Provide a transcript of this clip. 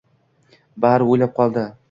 Bari o‘ylab qoldi.